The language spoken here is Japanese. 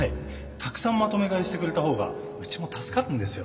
たくさんまとめ買いしてくれた方がうちも助かるんですよ。